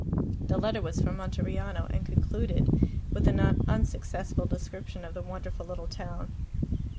The letter was from Monteriano, and concluded with a not unsuccessful description of the wonderful little town.